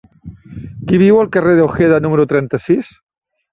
Qui viu al carrer d'Ojeda número trenta-sis?